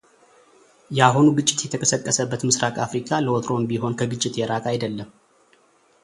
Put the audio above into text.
የአሁኑ ግጭት የተቀሰቀሰበት ምስራቅ አፍሪካ ለወትሮውም ቢሆን ከግጭት የራቀ አይደለም።